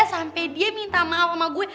sampai dia minta maaf sama gue